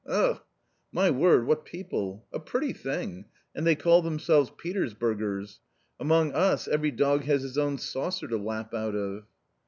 Ugh ! my word, what people ! A pretty thing, and they call themselves Peters burgers ! Among us every dog has his own saucer to lap out of."